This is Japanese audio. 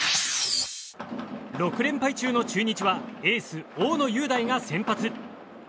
６連敗中の中日はエース、大野雄大が先発。